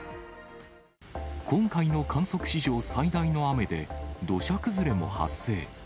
今回の観測史上最大の雨で、土砂崩れも発生。